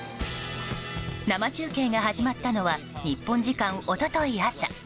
生中継が始まったのは日本時間、一昨日朝。